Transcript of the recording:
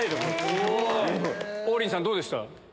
すごい！王林さんどうでした？